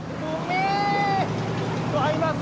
合います